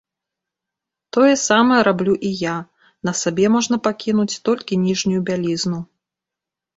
Тое самае раблю і я, на сабе можна пакінуць толькі ніжнюю бялізну.